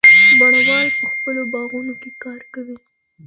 بڼوال په خپلو باغونو کي کار کوي.